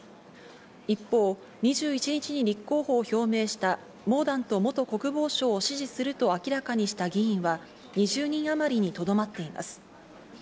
一方、２１日に立候補を表明したモーダント元国防相を支持すると明らかにした議員は２０人あまりにとどまっています。